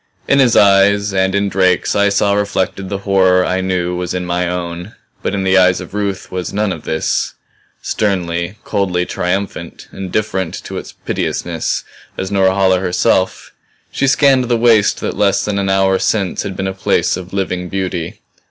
In his eyes and in Drake's I saw reflected the horror I knew was in my own. But in the eyes of Ruth was none of this sternly, coldly triumphant, indifferent to its piteousness as Norhala herself, she scanned the waste that less than an hour since had been a place of living beauty.